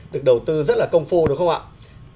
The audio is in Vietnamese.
được đầu tư rất là công phu đúng không ạ